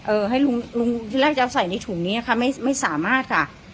ให้ลุงลุงที่แรกจะเอาใส่ในถุงนี้ค่ะไม่ไม่สามารถค่ะ